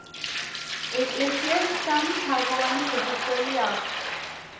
ეკლესიას სამი თაღოვანი შესასვლელი აქვს.